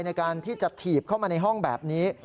ในการที่จะถีบเข้ามาในห้องแบบนี้